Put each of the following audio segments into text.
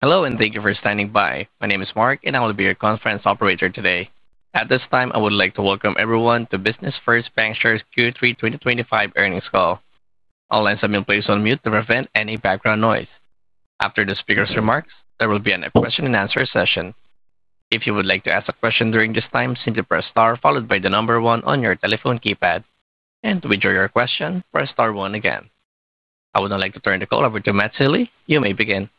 Hello and thank you for standing by. My name is Mark, and I will be your conference operator today. At this time, I would like to welcome everyone to Business First Bancshares Q3 2025 earnings call. All lines have been placed on mute to prevent any background noise. After the speaker's remarks, there will be a question and answer session. If you would like to ask a question during this time, simply press star followed by the number one on your telephone keypad. To enter your question, press star one again. I would now like to turn the call over to Matt Sealy. You may begin.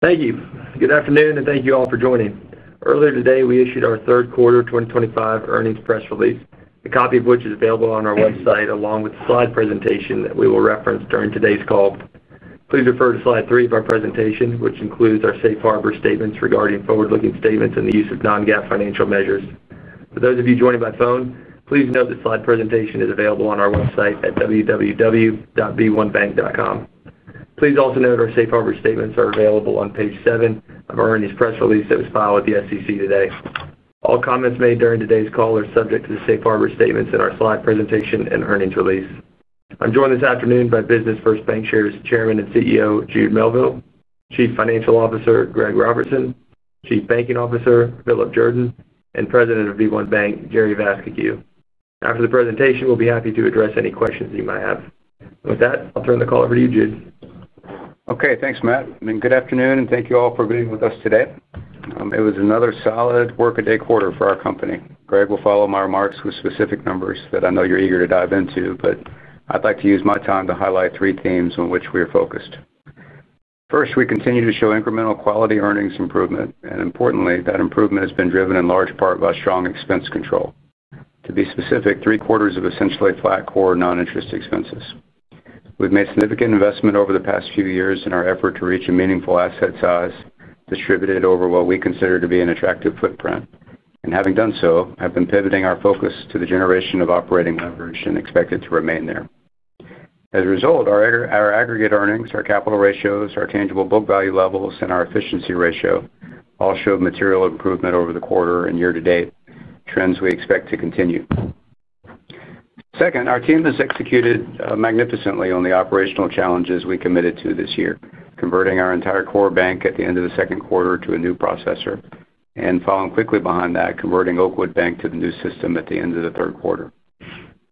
Thank you. Good afternoon and thank you all for joining. Earlier today, we issued our third quarter 2025 earnings press release, a copy of which is available on our website along with the slide presentation that we will reference during today's call. Please refer to slide three of our presentation, which includes our Safe Harbor statements regarding forward-looking statements and the use of non-GAAP financial measures. For those of you joining by phone, please note the slide presentation is available on our website at www.b1bank.com. Please also note our Safe Harbor statements are available on page seven of our earnings press release that was filed with the SEC today. All comments made during today's call are subject to the Safe Harbor statements in our slide presentation and earnings release. I'm joined this afternoon by Business First Bancshares Chairman and CEO, Jude Melville, Chief Financial Officer, Greg Robertson, Chief Banking Officer, Philip Jordan, and President of b1BANK, Jerry Vascocu. After the presentation, we'll be happy to address any questions you might have. With that, I'll turn the call over to you, Jude. Okay, thanks, Matt. Good afternoon and thank you all for being with us today. It was another solid work-a-day quarter for our company. Greg will follow my remarks with specific numbers that I know you're eager to dive into, but I'd like to use my time to highlight three themes on which we are focused. First, we continue to show incremental quality earnings improvement, and importantly, that improvement has been driven in large part by strong expense control. To be specific, three quarters of essentially flat core non-interest expenses. We've made significant investment over the past few years in our effort to reach a meaningful asset size distributed over what we consider to be an attractive footprint. Having done so, I've been pivoting our focus to the generation of operating leverage and expected to remain there. As a result, our aggregate earnings, our capital ratios, our tangible book value levels, and our efficiency ratio all showed material improvement over the quarter and year to date, trends we expect to continue. Second, our team has executed magnificently on the operational challenges we committed to this year, converting our entire core bank at the end of the second quarter to a new processor, and following quickly behind that, converting Oakwood Bank to the new system at the end of the third quarter.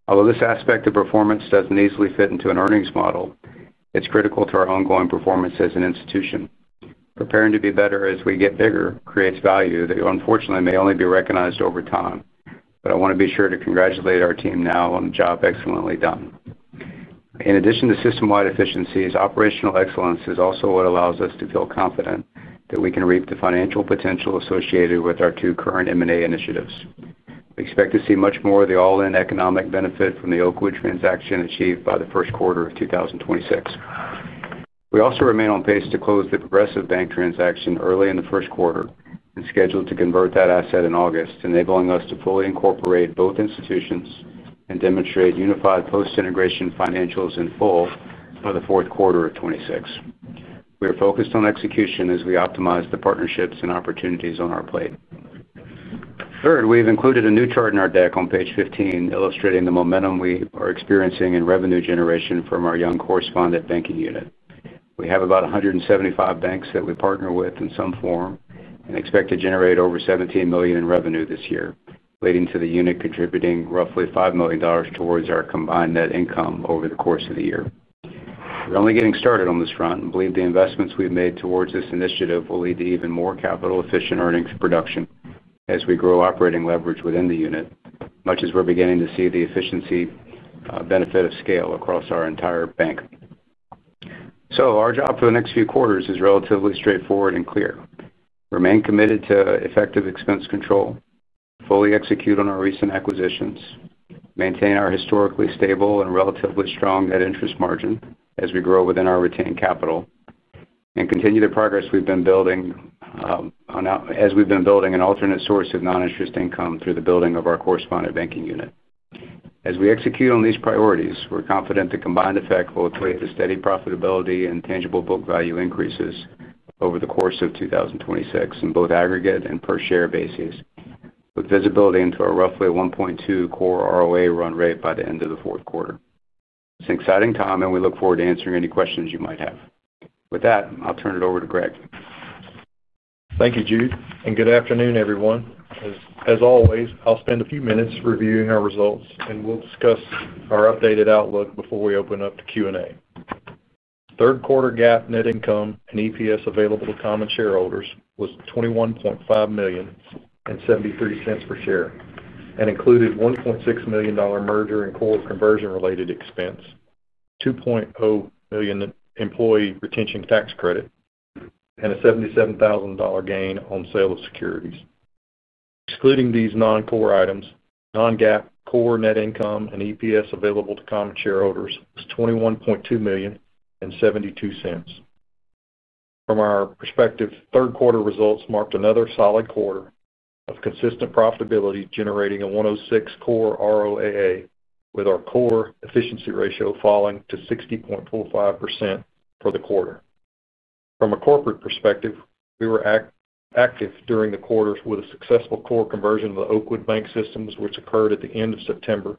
Although this aspect of performance doesn't easily fit into an earnings model, it's critical to our ongoing performance as an institution. Preparing to be better as we get bigger creates value that unfortunately may only be recognized over time. I want to be sure to congratulate our team now on the job excellently done. In addition to system-wide efficiencies, operational excellence is also what allows us to feel confident that we can reap the financial potential associated with our two current M&A initiatives. We expect to see much more of the all-in economic benefit from the Oakwood transaction achieved by the first quarter of 2026. We also remain on pace to close the Progressive Bank transaction early in the first quarter and scheduled to convert that asset in August, enabling us to fully incorporate both institutions and demonstrate unified post-integration financials in full by the fourth quarter of 2026. We are focused on execution as we optimize the partnerships and opportunities on our plate. Third, we've included a new chart in our deck on page 15, illustrating the momentum we are experiencing in revenue generation from our young correspondent banking unit. We have about 175 banks that we partner with in some form and expect to generate over $17 million in revenue this year, leading to the unit contributing roughly $5 million towards our combined net income over the course of the year. We're only getting started on this front and believe the investments we've made towards this initiative will lead to even more capital-efficient earnings production as we grow operating leverage within the unit, much as we're beginning to see the efficiency benefit of scale across our entire bank. Our job for the next few quarters is relatively straightforward and clear. Remain committed to effective expense control, fully execute on our recent acquisitions, maintain our historically stable and relatively strong net interest margin as we grow within our retained capital, and continue the progress we've been building, as we've been building an alternate source of non-interest income through the building of our correspondent banking unit. As we execute on these priorities, we're confident the combined effect will equate to steady profitability and tangible book value increases over the course of 2026 in both aggregate and per share basis, with visibility into our roughly 1.2% core ROA run rate by the end of the fourth quarter. It's an exciting time, and we look forward to answering any questions you might have. With that, I'll turn it over to Greg. Thank you, Jude, and good afternoon, everyone. As always, I'll spend a few minutes reviewing our results, and we'll discuss our updated outlook before we open up to Q&A. Third quarter GAAP net income and EPS available to common shareholders was $21.5 million and $0.73 per share and included a $1.6 million merger and core conversion-related expense, a $2.0 million employee retention tax credit, and a $77,000 gain on sale of securities. Excluding these non-core items, non-GAAP core net income and EPS available to common shareholders was $21.2 million and $0.72. From our perspective, third quarter results marked another solid quarter of consistent profitability, generating a 1.06% core ROAA with our core efficiency ratio falling to 60.45% for the quarter. From a corporate perspective, we were active during the quarter with a successful core conversion of the Oakwood Bank systems, which occurred at the end of September.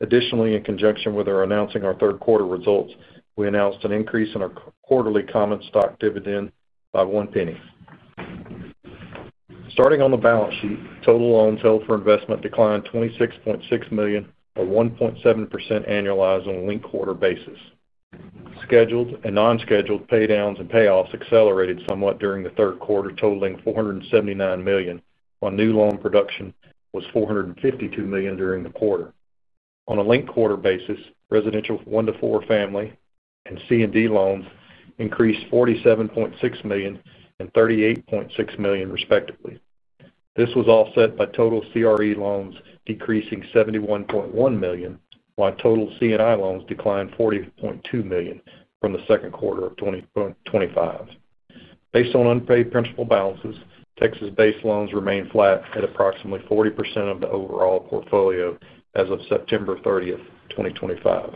Additionally, in conjunction with announcing our third quarter results, we announced an increase in our quarterly common stock dividend by one penny. Starting on the balance sheet, total loans held for investment declined $26.6 million, a 1.7% annualized on a linked quarter basis. Scheduled and non-scheduled paydowns and payoffs accelerated somewhat during the third quarter, totaling $479 million, while new loan production was $452 million during the quarter. On a linked quarter basis, residential one-to-four family and C&D loans increased $47.6 million and $38.6 million, respectively. This was offset by total CRE loans decreasing $71.1 million, while total C&I loans declined $40.2 million from the second quarter of 2025. Based on unpaid principal balances, Texas-based loans remain flat at approximately 40% of the overall portfolio as of September 30, 2025.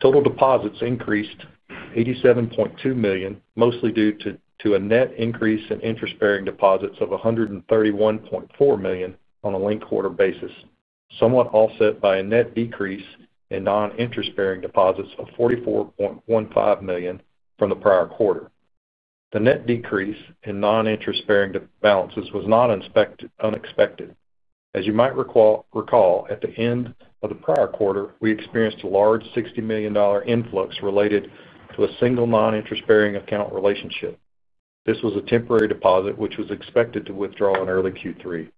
Total deposits increased $87.2 million, mostly due to a net increase in interest-bearing deposits of $131.4 million on a linked quarter basis, somewhat offset by a net decrease in non-interest-bearing deposits of $44.15 million from the prior quarter. The net decrease in non-interest-bearing balances was not unexpected. As you might recall, at the end of the prior quarter, we experienced a large $60 million influx related to a single non-interest-bearing account relationship. This was a temporary deposit, which was expected to withdraw in early Q3.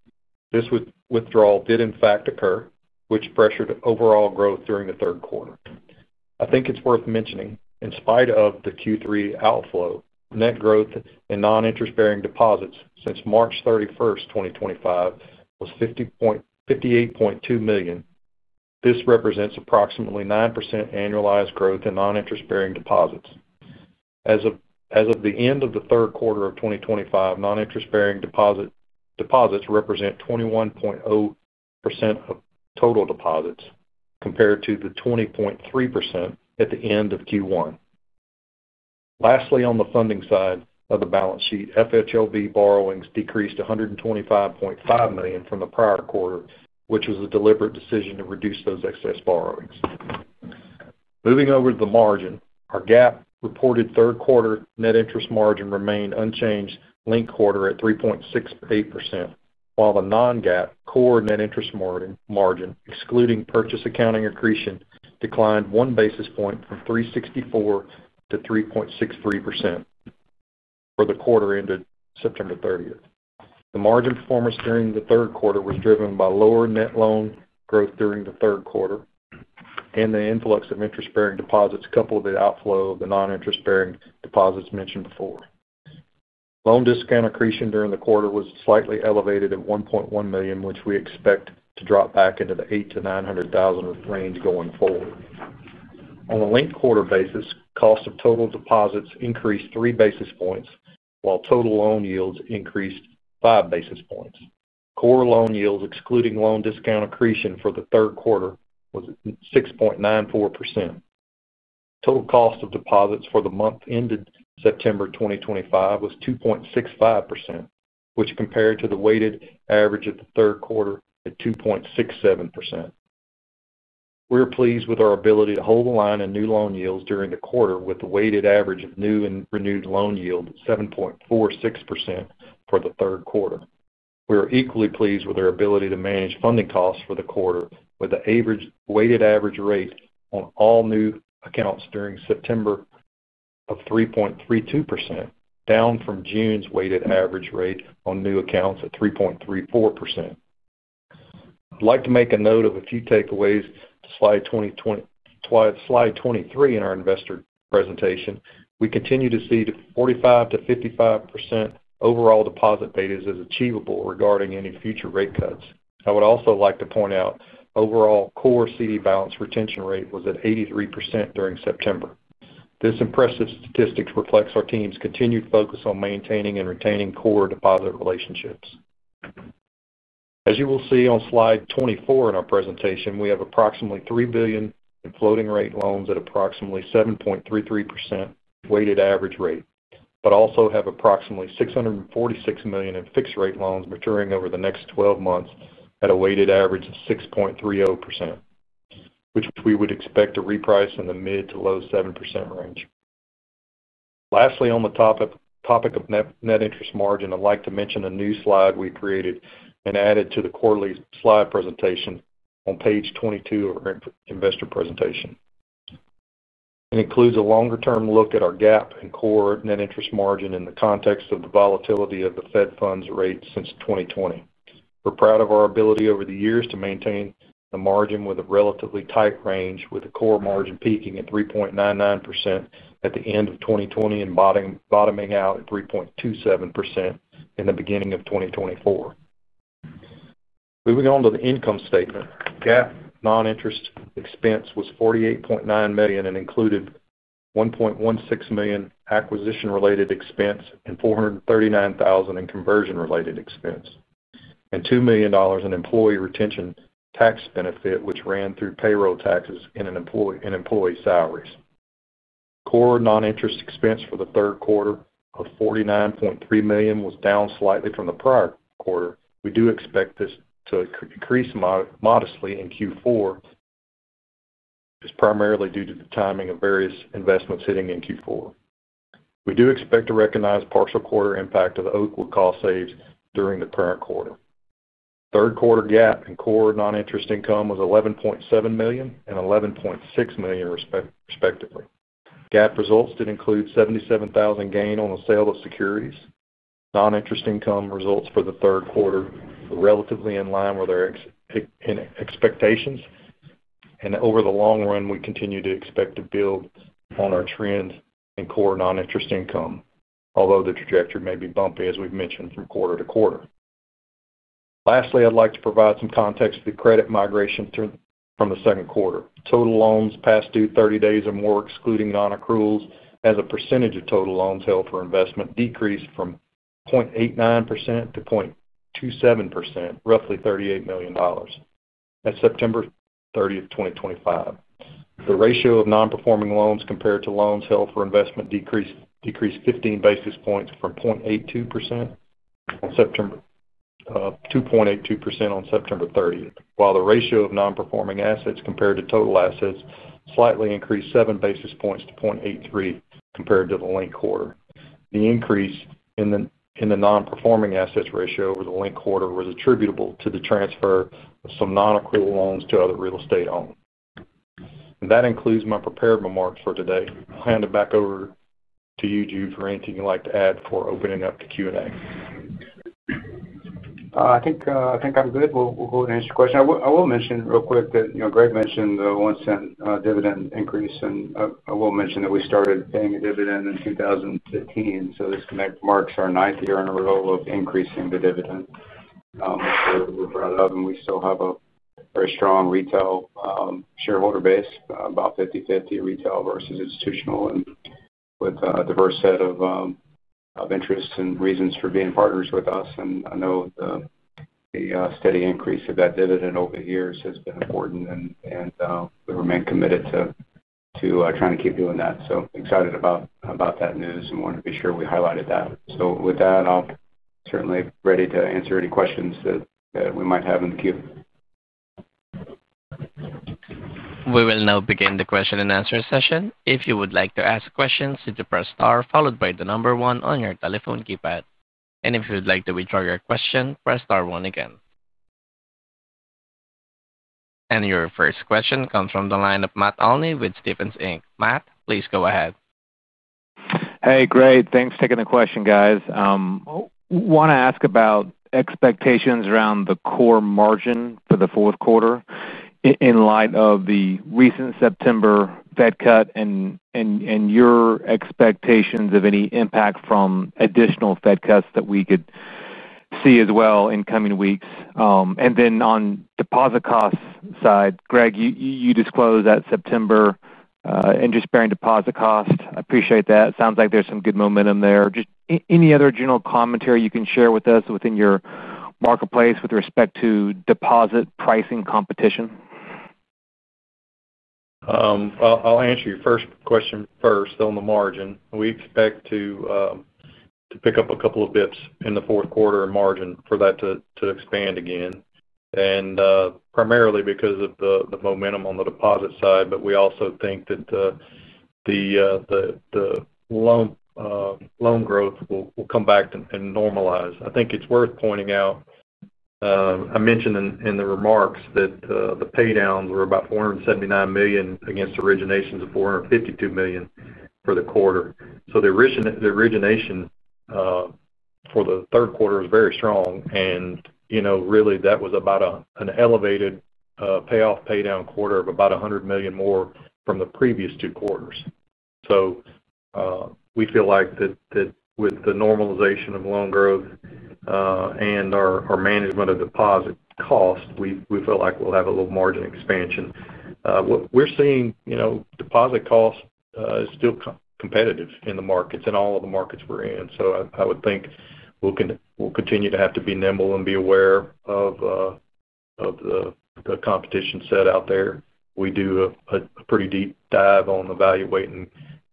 This withdrawal did, in fact, occur, which pressured overall growth during the third quarter. I think it's worth mentioning, in spite of the Q3 outflow, net growth in non-interest-bearing deposits since March 31, 2025, was $58.2 million. This represents approximately 9% annualized growth in non-interest-bearing deposits. As of the end of the third quarter of 2025, non-interest-bearing deposits represent 21.0% of total deposits compared to 20.3% at the end of Q1. Lastly, on the funding side of the balance sheet, FHLB borrowings decreased $125.5 million from the prior quarter, which was a deliberate decision to reduce those excess borrowings. Moving over to the margin, our GAAP reported third quarter net interest margin remained unchanged linked quarter at 3.68%, while the non-GAAP core net interest margin, excluding purchase accounting accretion, declined one basis point from 3.64% to 3.63% for the quarter ended September 30. The margin performance during the third quarter was driven by lower net loan growth during the third quarter and the influx of interest-bearing deposits coupled with the outflow of the non-interest-bearing deposits mentioned before. Loan discount accretion during the quarter was slightly elevated at $1.1 million, which we expect to drop back into the $800,000-$900,000 range going forward. On a linked quarter basis, cost of total deposits increased three basis points, while total loan yields increased five basis points. Core loan yields, excluding loan discount accretion for the third quarter, were 6.94%. Total cost of deposits for the month ended September 2025 was 2.65%, which compared to the weighted average of the third quarter at 2.67%. We are pleased with our ability to hold the line in new loan yields during the quarter, with the weighted average of new and renewed loan yield at 7.46% for the third quarter. We are equally pleased with our ability to manage funding costs for the quarter, with the weighted average rate on all new accounts during September of 3.32%, down from June's weighted average rate on new accounts at 3.34%. I'd like to make a note of a few takeaways to slide 23 in our investor presentation. We continue to see 45%-55% overall deposit betas as achievable regarding any future rate cuts. I would also like to point out overall core CD balance retention rate was at 83% during September. This impressive statistic reflects our team's continued focus on maintaining and retaining core deposit relationships. As you will see on slide 24 in our presentation, we have approximately $3 billion in floating rate loans at approximately 7.33% weighted average rate, but also have approximately $646 million in fixed rate loans maturing over the next 12 months at a weighted average of 6.30%, which we would expect to reprice in the mid to low 7% range. Lastly, on the topic of net interest margin, I'd like to mention a new slide we created and added to the quarterly slide presentation on page 22 of our investor presentation. It includes a longer-term look at our GAAP and core net interest margin in the context of the volatility of the Fed funds rate since 2020. We're proud of our ability over the years to maintain a margin with a relatively tight range, with the core margin peaking at 3.99% at the end of 2020 and bottoming out at 3.27% in the beginning of 2024. Moving on to the income statement, GAAP non-interest expense was $48.9 million and included $1.16 million acquisition-related expense and $439,000 in conversion-related expense and $2 million in employee retention tax benefit, which ran through payroll taxes and employee salaries. Core non-interest expense for the third quarter of $49.3 million was down slightly from the prior quarter. We do expect this to increase modestly in Q4. It's primarily due to the timing of various investments hitting in Q4. We do expect to recognize partial quarter impact of the Oakwood cost saves during the current quarter. Third quarter GAAP and core non-interest income was $11.7 million and $11.6 million, respectively. GAAP results did include $77,000 gain on the sale of securities. Non-interest income results for the third quarter were relatively in line with our expectations, and over the long run, we continue to expect to build on our trend in core non-interest income, although the trajectory may be bumpy, as we've mentioned, from quarter to quarter. Lastly, I'd like to provide some context for the credit migration from the second quarter. Total loans past due 30 days and more, excluding non-accruals, as a percentage of total loans held for investment decreased from 0.89% to 0.27%, roughly $38 million at September 30, 2025. The ratio of non-performing loans compared to loans held for investment decreased 15 basis points from 0.82% to 0.67% on September 30, while the ratio of non-performing assets compared to total assets slightly increased seven basis points to 0.83% compared to the linked quarter. The increase in the non-performing assets ratio over the linked quarter was attributable to the transfer of some non-accrual loans to other real estate owned. That concludes my prepared remarks for today. I'll hand it back over to you, Jude, for anything you'd like to add before opening up to Q&A. I think I'm good. We'll go ahead and answer your question. I will mention real quick that, you know, Greg Robertson mentioned the $0.01 dividend increase, and I will mention that we started paying a dividend in 2015. This marks our ninth year in a row of increasing the dividend, which we're proud of. We still have a very strong retail shareholder base, about 50/50 retail versus institutional, with a diverse set of interests and reasons for being partners with us. I know the steady increase of that dividend over the years has been important, and we remain committed to trying to keep doing that. Excited about that news and wanted to be sure we highlighted that. With that, I'll certainly be ready to answer any questions that we might have in the queue. We will now begin the question and answer session. If you would like to ask questions, simply press star followed by the number one on your telephone keypad. If you would like to withdraw your question, press star one again. Your first question comes from the line of Matt Olney with Stephens Inc. Matt, please go ahead. Hey, Greg. Thanks for taking the question, guys. I want to ask about expectations around the core margin for the fourth quarter in light of the recent September Fed cut and your expectations of any impact from additional Fed cuts that we could see as well in coming weeks. On the deposit costs side, Greg, you disclosed that September interest-bearing deposit cost. I appreciate that. It sounds like there's some good momentum there. Just any other general commentary you can share with us within your marketplace with respect to deposit pricing competition? I'll answer your first question first on the margin. We expect to pick up a couple of bps in the fourth quarter in margin for that to expand again, primarily because of the momentum on the deposit side. We also think that the loan growth will come back and normalize. I think it's worth pointing out, I mentioned in the remarks that the paydowns were about $479 million against originations of $452 million for the quarter. The origination for the third quarter was very strong. That was about an elevated payoff paydown quarter of about $100 million more from the previous two quarters. We feel like with the normalization of loan growth and our management of deposit costs, we feel like we'll have a little margin expansion. What we're seeing, deposit costs, is still competitive in the markets and all of the markets we're in. I would think we'll continue to have to be nimble and be aware of the competition set out there. We do a pretty deep dive on the value weight and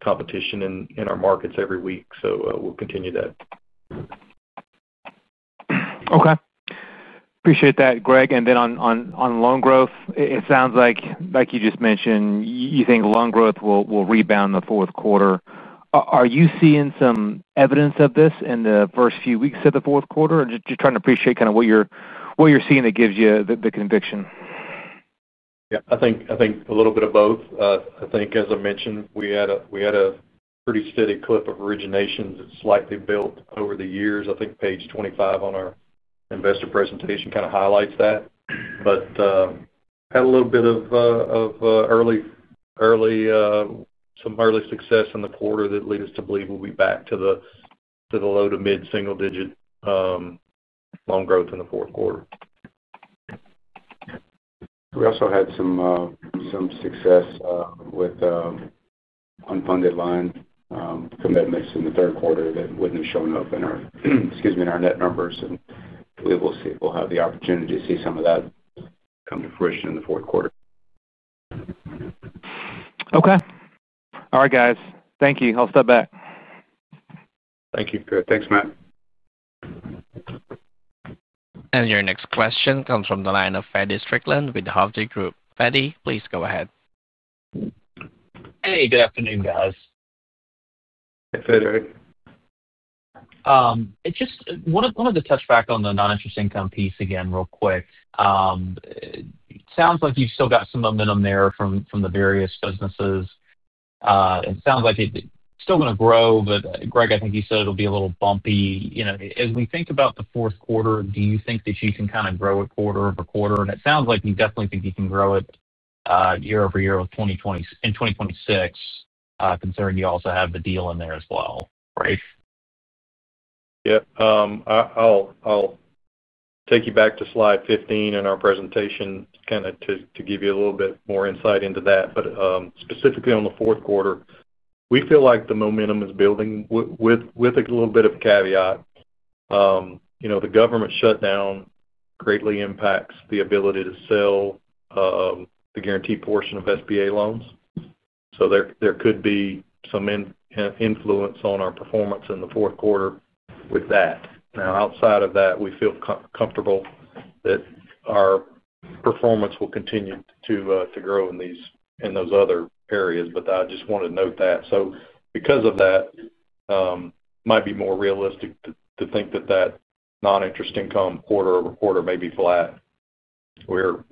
competition in our markets every week. We'll continue that. Okay. Appreciate that, Greg. On loan growth, it sounds like you just mentioned you think loan growth will rebound in the fourth quarter. Are you seeing some evidence of this in the first few weeks of the fourth quarter? Just trying to appreciate kind of what you're seeing that gives you the conviction. Yeah, I think a little bit of both. I think, as I mentioned, we had a pretty steady clip of originations that slightly built over the years. I think page 25 on our investor presentation kind of highlights that. We had some early success in the quarter that lead us to believe we'll be back to the low to mid-single-digit loan growth in the fourth quarter. We also had some success with unfunded line commitments in the third quarter that wouldn't have shown up in our net numbers. We will see. We'll have the opportunity to see some of that come to fruition in the fourth quarter. Okay. All right, guys. Thank you. I'll step back. Thank you, Greg. Thanks, Matt. Your next question comes from the line of Feddie Strickland with the Hovde Group. Feddie, please go ahead. Hey, good afternoon, guys. Hey, Fedrik. Just wanted to touch back on the non-interest income piece again real quick. It sounds like you've still got some momentum there from the various businesses. It sounds like it's still going to grow. Greg, I think you said it'll be a little bumpy. You know, as we think about the fourth quarter, do you think that you can kind of grow it quarter over quarter? It sounds like you definitely think you can grow it year over year with in 2026, considering you also have the deal in there as well, right? I'll take you back to slide 15 in our presentation to give you a little bit more insight into that. Specifically on the fourth quarter, we feel like the momentum is building with a little bit of a caveat. You know, the government shutdown greatly impacts the ability to sell the guaranteed portion of SBA loans. There could be some influence on our performance in the fourth quarter with that. Now, outside of that, we feel comfortable that our performance will continue to grow in those other areas. I just wanted to note that. Because of that, it might be more realistic to think that non-interest income quarter over quarter may be flat. We're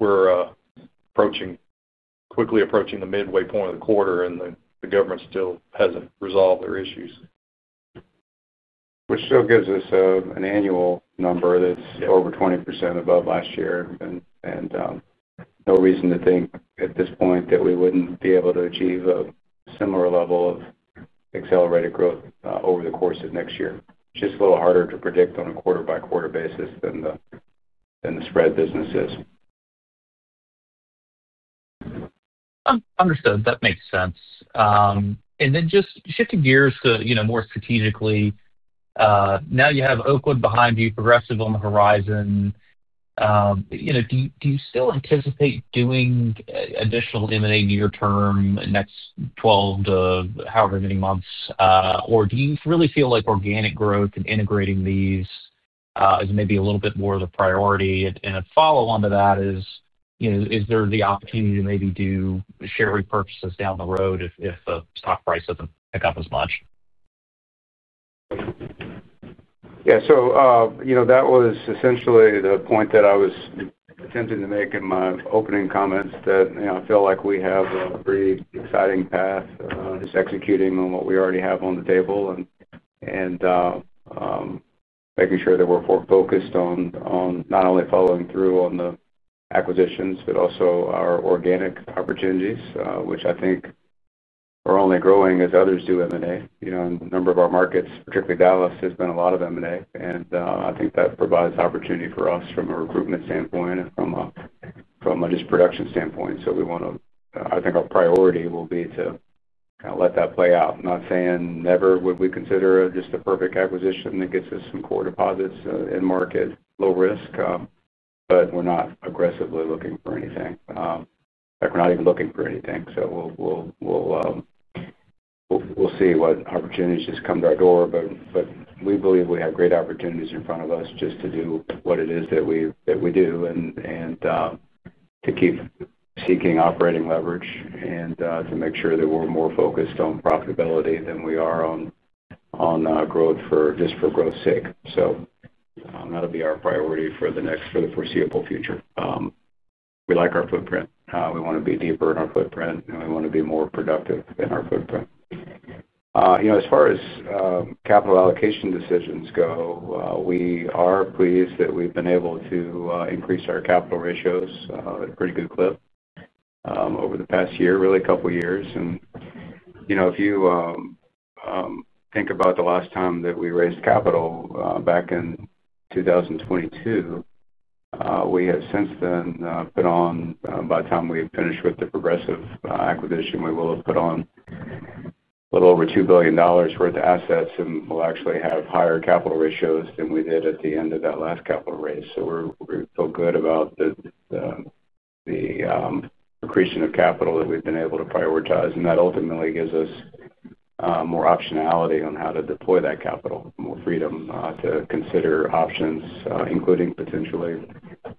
quickly approaching the midway point of the quarter, and the government still hasn't resolved their issues. This still gives us an annual number that's over 20% above last year, and no reason to think at this point that we wouldn't be able to achieve a similar level of accelerated growth over the course of next year. It's just a little harder to predict on a quarter-by-quarter basis than the spread business is. Understood. That makes sense. Then just shifting gears to, you know, more strategically, now you have Oakwood behind you, Progressive on the horizon. Do you still anticipate doing additional M&A in your term in the next 12 to however many months, or do you really feel like organic growth and integrating these is maybe a little bit more of the priority? A follow-on to that is, you know, is there the opportunity to maybe do share repurchases down the road if the stock price doesn't pick up as much? Yeah. So, you know, that was essentially the point that I was attempting to make in my opening comments, that, you know, I feel like we have a pretty exciting path on executing on what we already have on the table and making sure that we're focused on not only following through on the acquisitions, but also our organic opportunities, which I think are only growing as others do M&A. You know, a number of our markets, particularly Dallas, has done a lot of M&A. I think that provides opportunity for us from a recruitment standpoint and from a production standpoint. Our priority will be to kind of let that play out. I'm not saying never would we consider just a perfect acquisition that gets us some core deposits in market, low risk, but we're not aggressively looking for anything. In fact, we're not even looking for anything. We'll see what opportunities just come to our door. We believe we have great opportunities in front of us just to do what it is that we do and to keep seeking operating leverage and to make sure that we're more focused on profitability than we are on growth just for growth's sake. That'll be our priority for the foreseeable future. We like our footprint. We want to be deeper in our footprint, and we want to be more productive in our footprint. You know, as far as capital allocation decisions go, we are pleased that we've been able to increase our capital ratios at a pretty good clip over the past year, really a couple of years. You know, if you think about the last time that we raised capital, back in 2022, we have since then put on, by the time we finish with the Progressive acquisition, we will have put on a little over $2 billion worth of assets, and we'll actually have higher capital ratios than we did at the end of that last capital raise. We're feeling good about the accretion of capital that we've been able to prioritize. That ultimately gives us more optionality on how to deploy that capital, more freedom to consider options, including potentially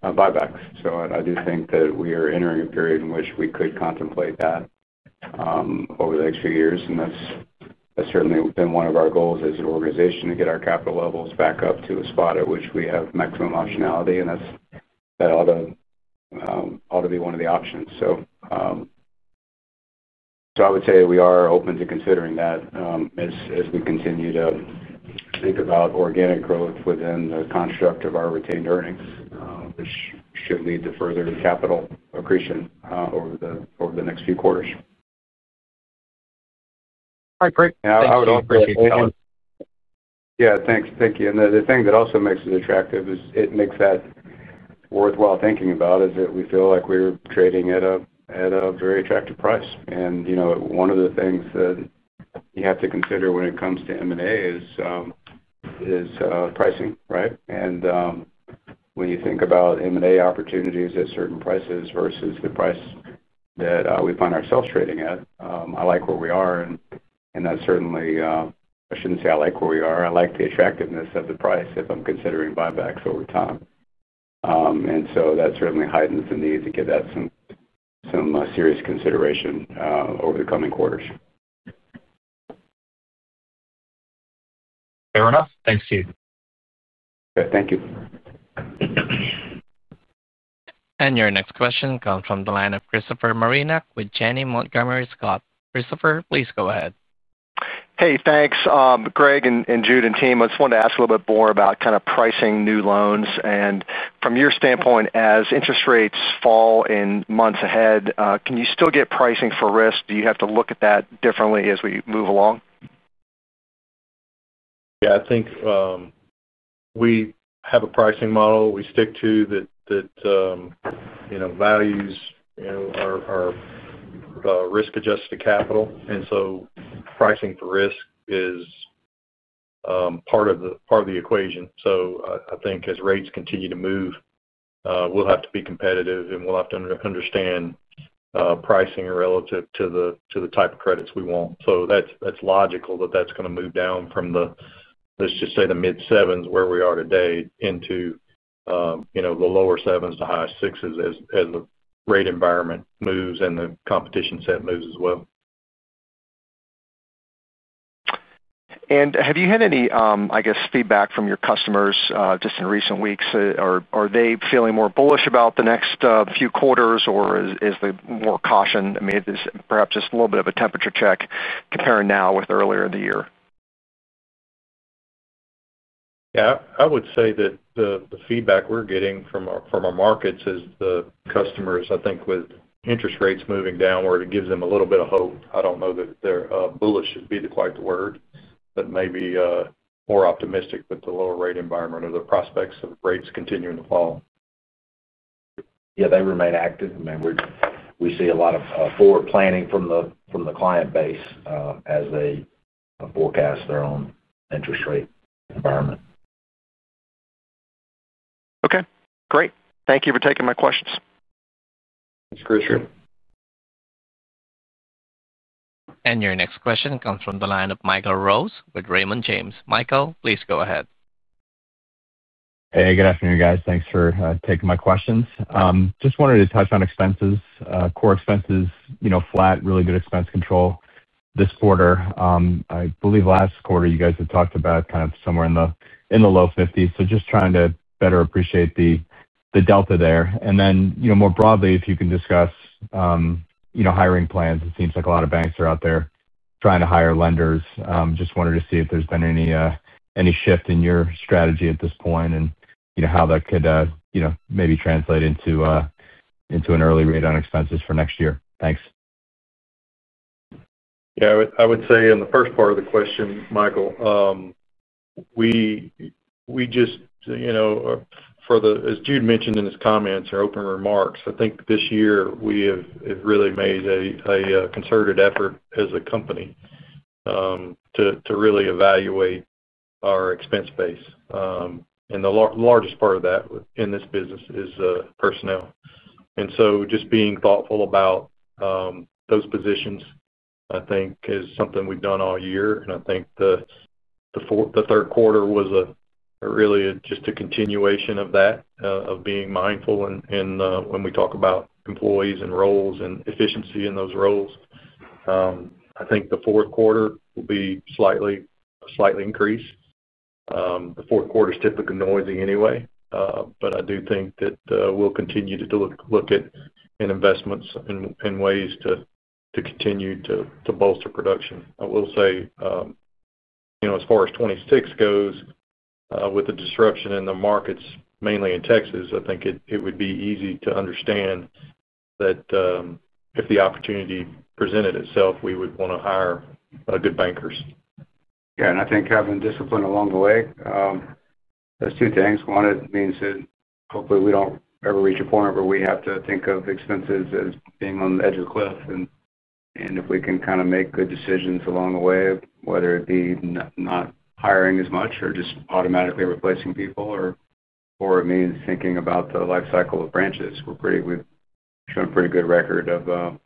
buybacks. I do think that we are entering a period in which we could contemplate that over the next few years. That's certainly been one of our goals as an organization, to get our capital levels back up to a spot at which we have maximum optionality. That ought to be one of the options. I would say we are open to considering that as we continue to think about organic growth within the construct of our retained earnings, which should lead to further capital accretion over the next few quarters. All right, great. Yeah, I would appreciate that. Thank you. The thing that also makes it attractive, that makes it worthwhile thinking about, is that we feel like we're trading at a very attractive price. One of the things that you have to consider when it comes to M&A is pricing, right? When you think about M&A opportunities at certain prices versus the price that we find ourselves trading at, I like where we are. I like the attractiveness of the price if I'm considering buybacks over time, and that certainly heightens the need to give that some serious consideration over the coming quarters. Fair enough. Thanks, Jude. Okay, thank you. Your next question comes from the line of Christopher Marinac with Janney Montgomery Scott. Christopher, please go ahead. Hey, thanks. Greg and Jude and team, I just wanted to ask a little bit more about kind of pricing new loans. From your standpoint, as interest rates fall in months ahead, can you still get pricing for risk? Do you have to look at that differently as we move along? Yeah, I think we have a pricing model we stick to that values, you know, are risk-adjusted to capital. Pricing for risk is part of the equation. I think as rates continue to move, we'll have to be competitive, and we'll have to understand pricing relative to the type of credits we want. That's logical that that's going to move down from the, let's just say, the mid-7s where we are today into the lower 7s to high 6s, as the rate environment moves and the competition set moves as well. Have you had any feedback from your customers just in recent weeks? Are they feeling more bullish about the next few quarters, or is there more caution? Is this perhaps just a little bit of a temperature check comparing now with earlier in the year? I would say that the feedback we're getting from our markets is the customers, I think, with interest rates moving downward, it gives them a little bit of hope. I don't know that they're bullish would be quite the word, but maybe more optimistic with the lower rate environment or the prospects of rates continuing to fall. Yeah, they remain active. I mean, we see a lot of forward planning from the client base, as they forecast their own interest rate environment. Okay. Great. Thank you for taking my questions. Thanks, Chris. Sure. Your next question comes from the line of Michael Rose with Raymond James. Michael, please go ahead. Hey, good afternoon, guys. Thanks for taking my questions. I just wanted to touch on expenses, core expenses, you know, flat, really good expense control this quarter. I believe last quarter you guys had talked about kind of somewhere in the, in the low 50s. Just trying to better appreciate the delta there. If you can discuss, you know, hiring plans. It seems like a lot of banks are out there trying to hire lenders. I just wanted to see if there's been any shift in your strategy at this point and, you know, how that could, you know, maybe translate into an early rate on expenses for next year. Thanks. Yeah, I would say in the first part of the question, Michael, we just, you know, as Jude mentioned in his comments or opening remarks, I think this year we have really made a concerted effort as a company to really evaluate our expense base. The largest part of that in this business is personnel. Just being thoughtful about those positions, I think, is something we've done all year. I think the third quarter was really just a continuation of that, of being mindful when we talk about employees and roles and efficiency in those roles. I think the fourth quarter will be a slight increase. The fourth quarter is typically noisy anyway. I do think that we'll continue to look at investments and ways to continue to bolster production. I will say, as far as 2026 goes, with the disruption in the markets, mainly in Texas, I think it would be easy to understand that if the opportunity presented itself, we would want to hire good bankers. Yeah, I think having discipline along the way, those two things. One, it means that hopefully we don't ever reach a point where we have to think of expenses as being on the edge of the cliff. If we can kind of make good decisions along the way, whether it be not hiring as much or just automatically replacing people, or it means thinking about the life cycle of branches. We've shown a pretty good record of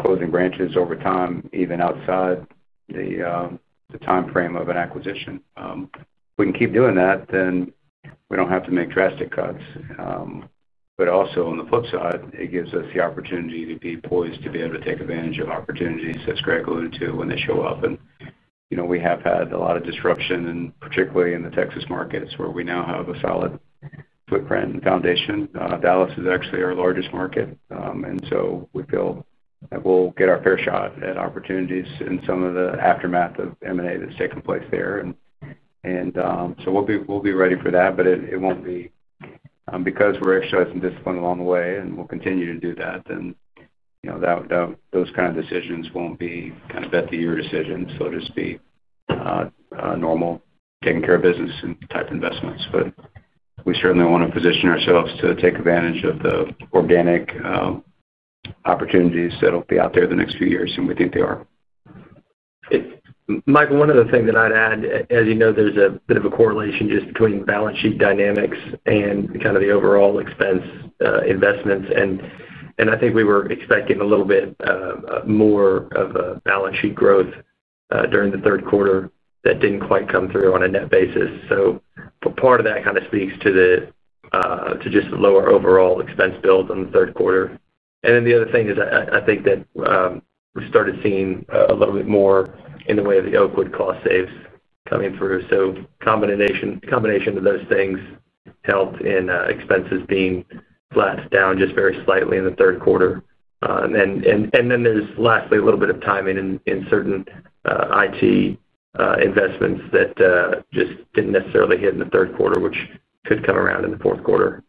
closing branches over time, even outside the timeframe of an acquisition. If we can keep doing that, then we don't have to make drastic cuts. It also gives us the opportunity to be poised to be able to take advantage of opportunities, as Greg Robertson alluded to, when they show up. We have had a lot of disruption, particularly in the Texas markets where we now have a solid footprint and foundation. Dallas is actually our largest market, and we feel that we'll get our fair shot at opportunities in some of the aftermath of M&A that's taking place there. We'll be ready for that. It won't be because we're exercising discipline along the way, and we'll continue to do that, then those kind of decisions won't be kind of bet-of-the-year decisions. They'll just be normal taking care of business type investments. We certainly want to position ourselves to take advantage of the organic opportunities that'll be out there in the next few years, and we think they are. Michael, one other thing that I'd add, as you know, there's a bit of a correlation just between the balance sheet dynamics and kind of the overall expense, investments. I think we were expecting a little bit more of a balance sheet growth during the third quarter that didn't quite come through on a net basis. Part of that kind of speaks to just the lower overall expense build on the third quarter. The other thing is I think that we started seeing a little bit more in the way of the Oakwood cost saves coming through. A combination of those things helped in expenses being flat down just very slightly in the third quarter. Lastly, there's a little bit of timing in certain IT investments that just didn't necessarily hit in the third quarter, which could come around in the fourth quarter.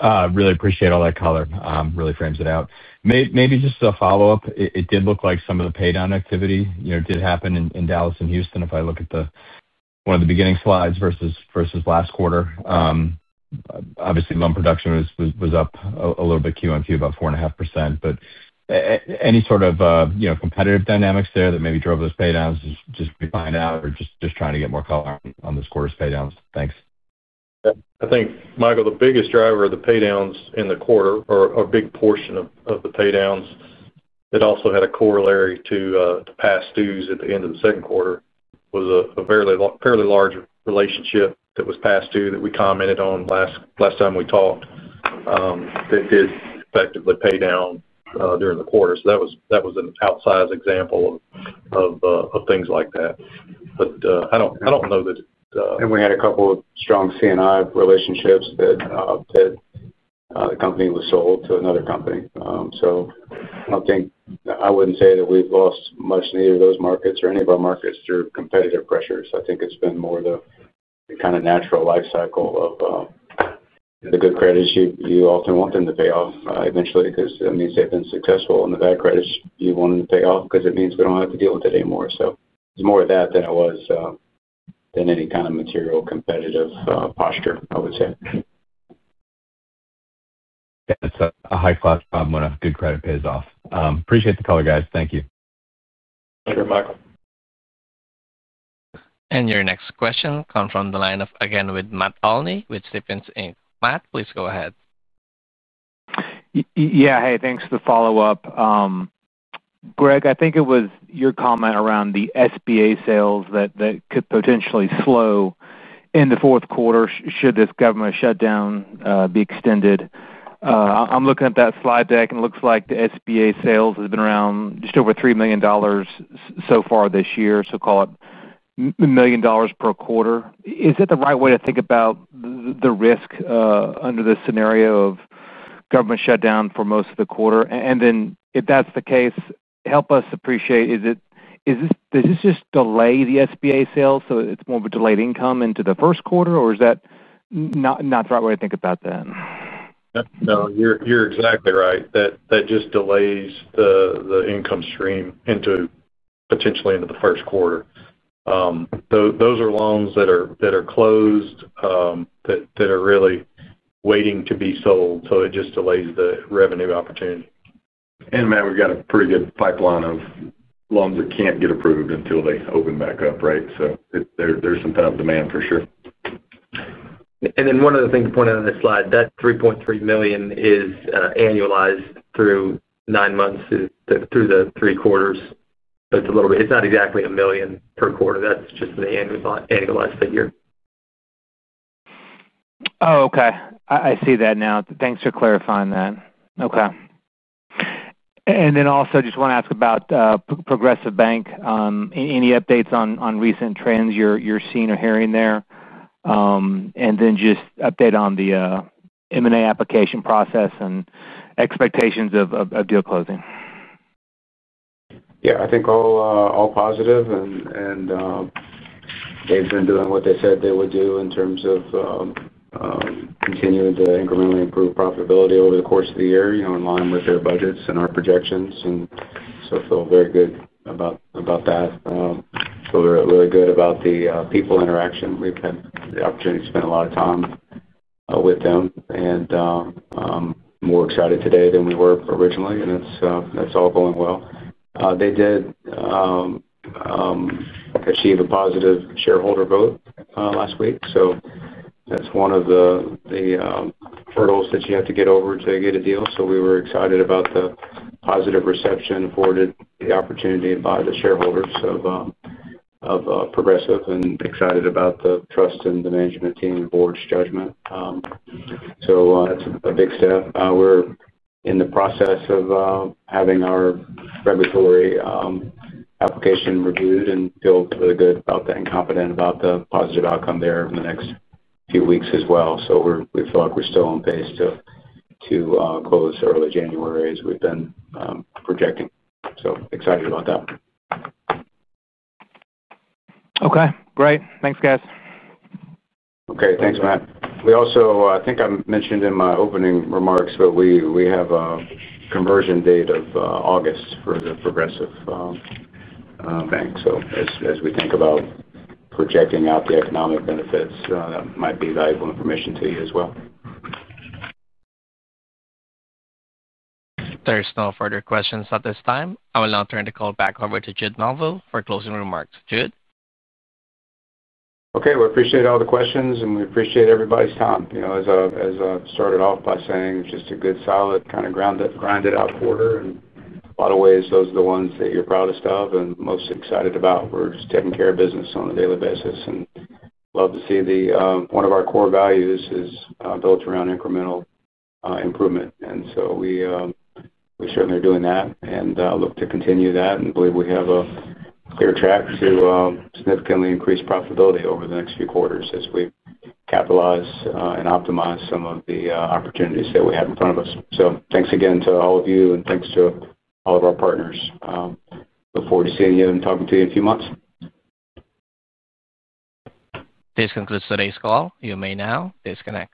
I really appreciate all that color. It really frames it out. Maybe just a follow-up. It did look like some of the paydown activity did happen in Dallas and Houston. If I look at one of the beginning slides versus last quarter, obviously loan production was up a little bit Q1Q, about 4.5%. Any sort of competitive dynamics there that maybe drove those paydowns, just trying to get more color on this quarter's paydowns. Thanks. Yeah, I think, Michael, the biggest driver of the paydowns in the quarter, or a big portion of the paydowns that also had a corollary to the past dues at the end of the second quarter was a fairly large relationship that was past due that we commented on last time we talked, that did effectively pay down during the quarter. That was an outsized example of things like that. I don't know that, We had a couple of strong CNI relationships where the company was sold to another company. I don't think, I wouldn't say that we've lost much in either of those markets or any of our markets through competitive pressures. I think it's been more the kind of natural life cycle of the good credits. You often want them to pay off eventually because that means they've been successful, and the bad credits you want them to pay off because it means we don't have to deal with it anymore. It's more of that than any kind of material competitive posture, I would say. Yeah, it's a high-cost problem when a good credit pays off. Appreciate the color, guys. Thank you. Sure, Michael. Your next question comes from the line of Matt Olney with Stephens Inc. Matt, please go ahead. Yeah, hey, thanks for the follow-up. Greg, I think it was your comment around the SBA sales that could potentially slow in the fourth quarter should this government shutdown be extended. I'm looking at that slide deck, and it looks like the SBA sales have been around just over $3 million so far this year. Call it $1 million per quarter. Is that the right way to think about the risk, under this scenario of government shutdown for most of the quarter? If that's the case, help us appreciate, is it, does this just delay the SBA sales so it's more of a delayed income into the first quarter, or is that not the right way to think about that? No, you're exactly right. That just delays the income stream potentially into the first quarter. Those are loans that are closed, that are really waiting to be sold. It just delays the revenue opportunity. We've got a pretty good pipeline of loans that can't get approved until they open back up, right? There is some kind of demand for sure. One other thing to point out on this slide, that $3.3 million is annualized through nine months, through the three quarters. It's a little bit, it's not exactly $1 million per quarter. That's just the annualized figure. Oh, okay. I see that now. Thanks for clarifying that. Okay. I just want to ask about Progressive Bank. Any updates on recent trends you're seeing or hearing there? Also, just update on the M&A application process and expectations of deal closing. Yeah, I think all positive. They've been doing what they said they would do in terms of continuing to incrementally improve profitability over the course of the year, in line with their budgets and our projections. I feel very good about that. I feel really, really good about the people interaction. We've had the opportunity to spend a lot of time with them. I'm more excited today than we were originally. That's all going well. They did achieve a positive shareholder vote last week. That's one of the hurdles that you have to get over to get a deal. We were excited about the positive reception afforded the opportunity by the shareholders of Progressive and excited about the trust in the management team and board's judgment. That's a big step. We're in the process of having our regulatory application reviewed and feel really good about that and confident about the positive outcome there in the next few weeks as well. We feel like we're still on pace to close early January as we've been projecting. Excited about that. Okay. Great. Thanks, guys. Okay. Thanks, Matt. I think I mentioned in my opening remarks, we have a conversion date of August for Progressive Bank. As we think about projecting out the economic benefits, that might be valuable information to you as well. There's no further questions at this time. I will now turn the call back over to Jude Melville for closing remarks. Jude. I appreciate all the questions, and we appreciate everybody's time. As I started off by saying, it's just a good, solid, kind of grounded out quarter. In a lot of ways, those are the ones that you're proudest of and most excited about. We're just taking care of business on a daily basis. Love to see that one of our core values is built around incremental improvement. We certainly are doing that and look to continue that and believe we have a clear track to significantly increase profitability over the next few quarters as we capitalize and optimize some of the opportunities that we have in front of us. Thanks again to all of you, and thanks to all of our partners. Look forward to seeing you and talking to you in a few months. This concludes today's call. You may now disconnect.